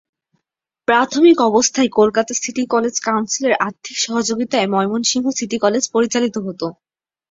প্রাথমিক অবস্থায় Kolkata city college কাউন্সিলের আর্থিক সহযোগিতায় ময়মনসিংহ সিটি কলেজ পরিচালিত হতো।